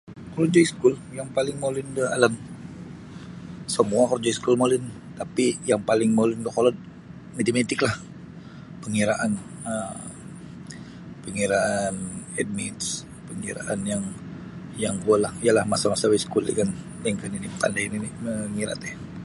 Korojo iskul yang paling molin da alan samua korjo iskul molin tapi yang paling molin kokolod Matematiklah panggiraan um pangiraan add math pangiraan yang kuo lah iyalah masa-masa baiskul ri kan lainkah nini pandai nini mengira ti.